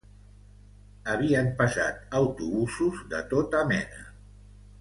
Havien passat autobusos de tota mena.